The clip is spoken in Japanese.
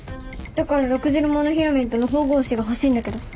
だから６０モノフィラメントの縫合糸が欲しいんだけど。